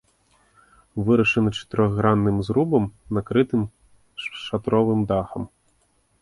Вырашана чатырохгранным зрубам, накрытым шатровым дахам.